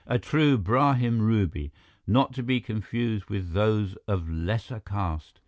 "A true Brahmin ruby, not to be confused with those of lesser caste.